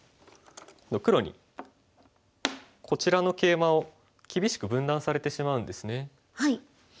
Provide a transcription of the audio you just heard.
黒にこちらのケイマを厳しく分断されてしまうんですね。